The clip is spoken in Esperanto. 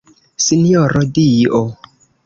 Sinjoro Dio!